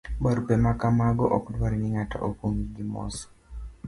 Barupe ma kamago ok dwar ni ng'ato okwong gi mos